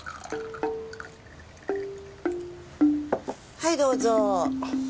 はいどうぞ。